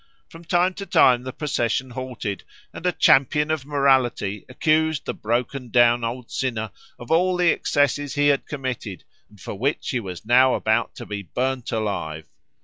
From time to time the procession halted, and a champion of morality accused the broken down old sinner of all the excesses he had committed and for which he was now about to be burned alive.